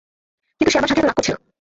কিন্তু সে আমার সাথে এতো রাগ করছে না!